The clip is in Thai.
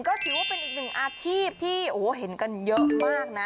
ก็ถือว่าเป็นอีกหนึ่งอาชีพที่เห็นกันเยอะมากนะ